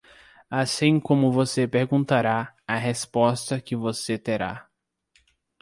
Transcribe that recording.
Assim como você perguntará, a resposta que você terá.